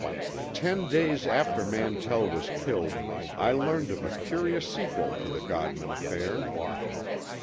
Ten days after Mantell was killed, I learned of a curious sequel to the Godman affair.